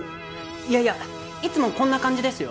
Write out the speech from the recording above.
いやいやいつもこんな感じですよ。